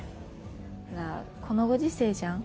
ほらこのご時世じゃん？